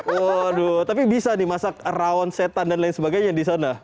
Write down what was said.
waa aduh tapi bisa nih masak rawan setan dan lain sebagainya disana